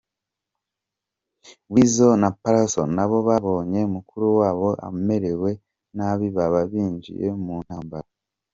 Weasal na Pallaso nabo babonye mukuru wabo amerewe nabi baba binjiye mu ntambara.